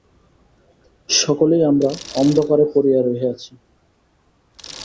সকলেই আমরা অন্ধকারে পড়িয়া রহিয়াছি।